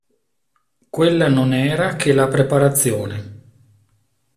Quella non era che la preparazione!